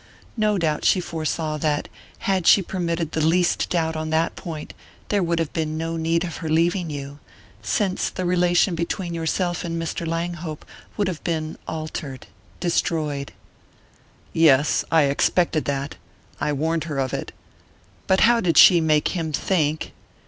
No doubt she foresaw that, had she permitted the least doubt on that point, there would have been no need of her leaving you, since the relation between yourself and Mr. Langhope would have been altered destroyed...." "Yes. I expected that I warned her of it. But how did she make him think